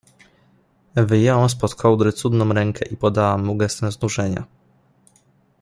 Wyjęłam spod kołdry cudną rękę i podałam mu gestem znużenia.